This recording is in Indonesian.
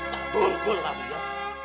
terbungkul kamu ya